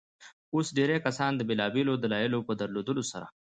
اوس ډېرى کسان د بېلابيلو دلايلو په درلودلو سره.